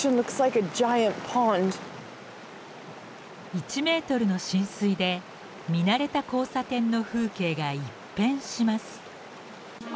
１ｍの浸水で見慣れた交差点の風景が一変します。